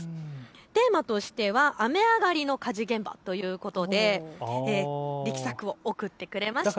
テーマとしては雨上がりの火事現場ということで力作を送ってくれました。